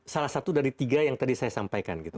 salah satu dari tiga yang tadi saya sampaikan gitu